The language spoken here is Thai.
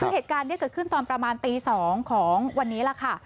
คือเหตุการณ์นี้เกิดขึ้นตอนประมาณตี๒ของวันนี้ล่ะค่ะ